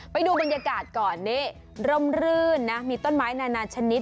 ไปดูบรรยากาศก่อนนี่ร่มรื่นนะมีต้นไม้นานาชนิด